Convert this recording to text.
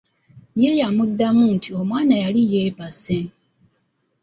Ye yamuddamu nti omwana yali yeebase.